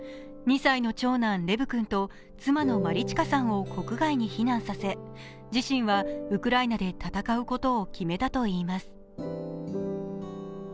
２歳の長男・レブ君と妻のマリチカさんを国外に避難させ自身はウクライナで戦うことを決めたといいます。